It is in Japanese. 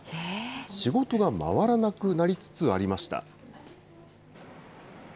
仕事が回らなくなりつつありました。